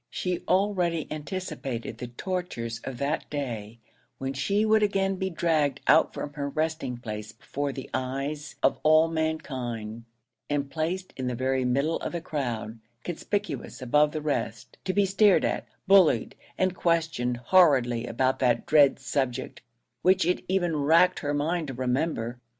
She already anticipated the tortures of that day, when she would again be dragged out from her resting place before the eyes of all mankind, and placed in the very middle of the crowd, conspicuous above the rest, to be stared at, bullied, and questioned horridly about that dread subject, which it even racked her mind to remember.